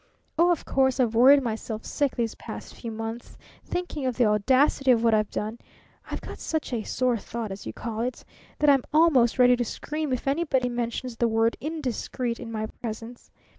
Oh, of course, I've worried myself sick these past few months thinking of the audacity of what I've done. I've got such a 'Sore Thought,' as you call it, that I'm almost ready to scream if anybody mentions the word 'indiscreet' in my presence.